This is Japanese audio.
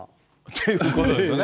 ということですよね。